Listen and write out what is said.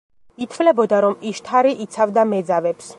ითვლებოდა, რომ იშთარი იცავდა მეძავებს.